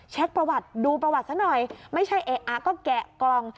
ประวัติดูประวัติซะหน่อยไม่ใช่เอ๊ะอ่ะก็แกะกล่อง